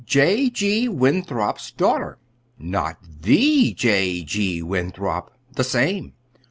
"J. G. Winthrop's daughter." "Not the J. G. Winthrop?" "The same."